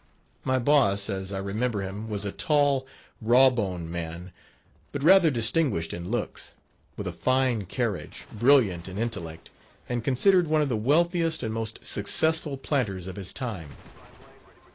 My boss, as I remember him, was a tall, rawboned man, but rather distinguished in looks, with a fine carriage, brilliant in intellect, and considered one of the wealthiest and most successful planters of his time.